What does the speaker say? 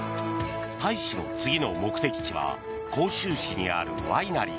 大使の次の目的地は甲州市にあるワイナリー。